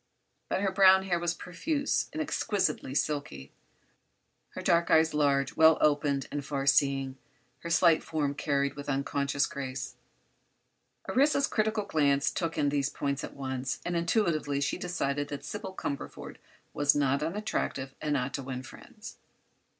But her brown hair was profuse and exquisitely silky; her dark eyes large, well opened and far seeing; her slight form carried with unconscious grace. Orissa's critical glance took in these points at once, and intuitively she decided that Sybil Cumberford was not unattractive and ought to win friends.